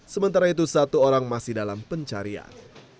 sementara itu satu orang masih dalam pencarian